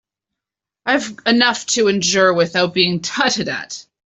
I've enough to endure without being tutted at.